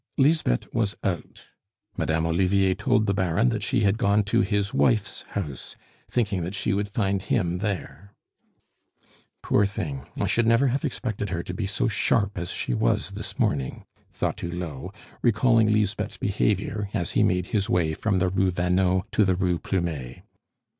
Lisbeth was out. Madame Olivier told the Baron that she had gone to his wife's house, thinking that she would find him there. "Poor thing! I should never have expected her to be so sharp as she was this morning," thought Hulot, recalling Lisbeth's behavior as he made his way from the Rue Vanneau to the Rue Plumet.